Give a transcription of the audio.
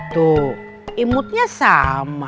tuh imutnya sama